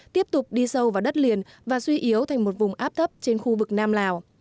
tiếp tục đi sâu vào đất liền và suy yếu thành một vùng áp thấp trên khu vực nam lào